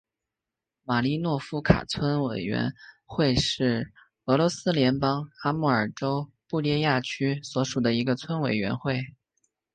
马利诺夫卡村委员会是俄罗斯联邦阿穆尔州布列亚区所属的一个村委员会。